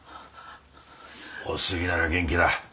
お杉なら元気だ。